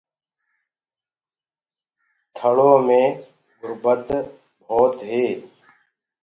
ٿݪو مي گُربت ڀوت هي